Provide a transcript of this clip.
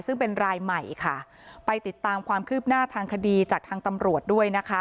ซึ่งเป็นรายใหม่ค่ะไปติดตามความคืบหน้าทางคดีจากทางตำรวจด้วยนะคะ